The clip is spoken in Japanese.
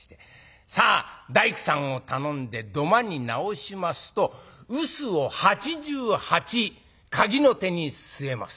さあ大工さんを頼んで土間に直しますと臼を八十八鉤の手に据えます。